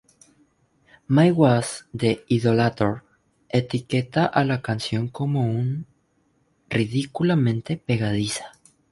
Mike Wass de Idolator etiqueta a la canción un como "ridículamente pegadiza".